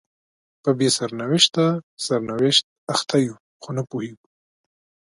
په بې سرنوشته سرنوشت اخته یو خو نه پوهیږو